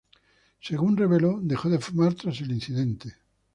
Según reveló, dejó de fumar tras el incidente.